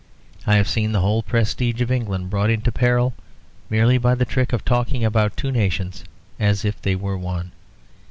I have seen the whole prestige of England brought into peril, merely by the trick of talking about two nations as if they were one.